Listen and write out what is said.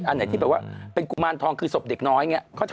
อันไหนที่แบบว่าเป็นกุมารทองคือศพเด็กน้อยอย่างนี้